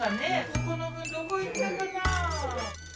そこの分どこいったかなあ。